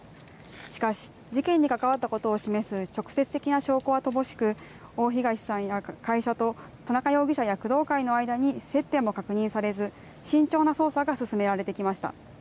しかし、事件に関わったことを示す直接的な証拠は乏しく、大東さんや会社と田中容疑者や工藤会の間に接点も確認されず、慎重な捜査が進められてきました。